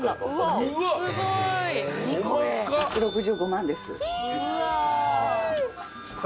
１６５万です。